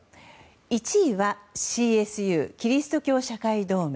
１位はＣＳＵ・キリスト教社会同盟。